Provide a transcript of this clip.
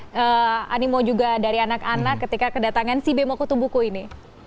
ini animo juga dari anak anak ketika kedatangan si bimoku tumbuhku ini